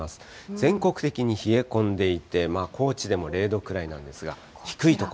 全国的に冷え込んでいて、高知でも０度くらいなんですが、低い所。